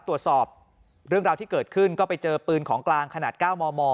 ตรวจสอบเรื่องราวที่เกิดขึ้นก็ไปเจอปืนของกลางขนาด๙มม